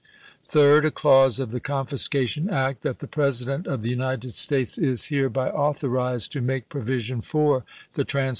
Third, a clause of the Confiscation Act, " That the President of the United States is COLONIZATION 357 hereby authorized to make provision for the trans ch.